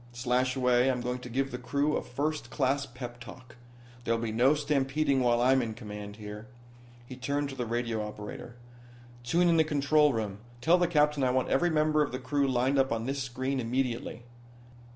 Slashaway, I'm going to give the crew a first class pep talk. There'll be no stampeding while I'm in command here." He turned to the radio operator. "Tune in the control room. Tell the captain I want every member of the crew lined up on this screen immediately."